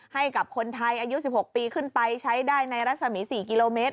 ให้กับคนไทยอายุ๑๖ปีขึ้นไปใช้ได้ในรัศมี๔กิโลเมตร